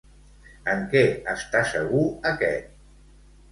En què està segur aquest?